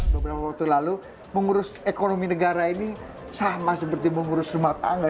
beberapa waktu lalu mengurus ekonomi negara ini sama seperti mengurus rumah tangga